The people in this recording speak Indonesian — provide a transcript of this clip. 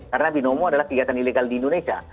karena binomo adalah kegiatan ilegal di indonesia